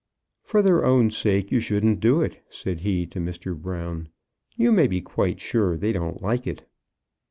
"For their own sake you shouldn't do it," said he to Mr. Brown. "You may be quite sure they don't like it."